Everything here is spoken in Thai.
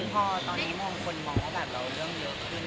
พอตอนนี้มองคนมองว่าเรื่องเยอะขึ้น